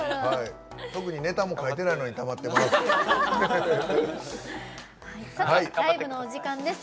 特にネタも書いてないのにたまってます。